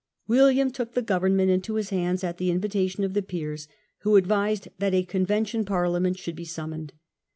William took the government into his hands at the invitation of the peers, who advised that a Convention Parliament should be summoned.